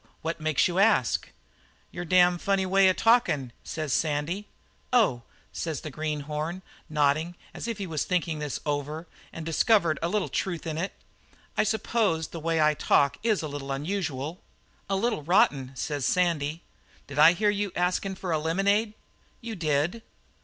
What makes you ask?' "'Your damned funny way of talkin',' says Sandy. "'Oh,' says the greenhorn, nodding as if he was thinkin' this over and discovering a little truth in it. 'I suppose the way I talk is a little unusual.' "'A little rotten,' says Sandy. 'Did I hear you askin' for a lemonade?' "'You did.'